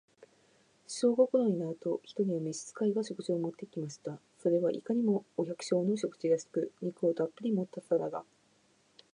正午頃になると、一人の召使が、食事を持って来ました。それはいかにも、お百姓の食事らしく、肉をたっぶり盛った皿が、